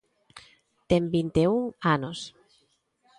Ten vinte e un anos.